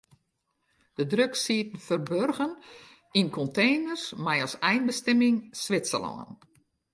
De drugs sieten ferburgen yn konteners mei as einbestimming Switserlân.